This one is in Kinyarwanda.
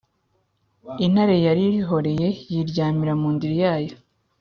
intare yarihoreye yiryamira mu ndiri yayo.